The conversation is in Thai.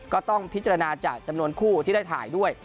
ก็ต้องพิจารณาจากจำนวนคู่ที่ได้ถ่ายด้วย